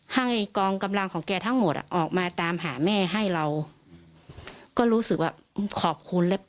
ให้กองกำลังของแกทั้งหมดอ่ะออกมาตามหาแม่ให้เราก็รู้สึกว่าขอบคุณแล้ว